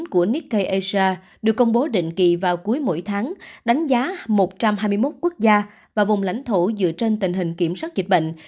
của nikkei asia được công bố định kỳ vào cuối mỗi tháng đánh giá một trăm hai mươi một quốc gia và vùng lãnh thổ dựa trên tình hình kiểm soát dịch bệnh